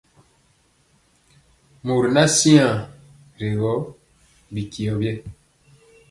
Mɔri ŋan siaŋg rɛ gɔ, bityio biɛɛ.